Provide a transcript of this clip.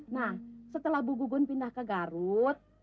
nah setelah bu gugun pindah ke garut